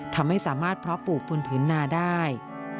ทำให้สามารถเพาะปลูกบนผืนนาได้